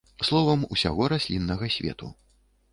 Словам, усяго расліннага свету.